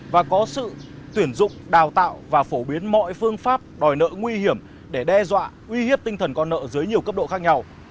và có sự tuyển dụng đào tạo và phổ biến mọi phương pháp đòi nợ nguy hiểm để đe dọa uy hiếp tinh thần con nợ dưới nhiều cấp độ khác nhau